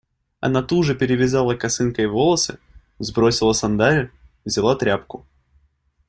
Она туже перевязала косынкой волосы. Сбросила сандалии. Взяла тряпку.